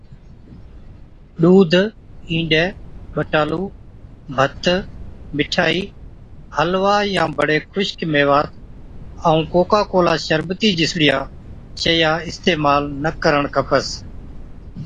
ڏُوڌ، اِينڏَي، ٻٽالُو، ڀت، مٺائِي، حلوا يان بڙي خُشڪ ميوات ائُون ڪوڪا ڪولا شربتِي جِسڙِيا شئِيا اِستعمال نہ ڪرڻ کپس۔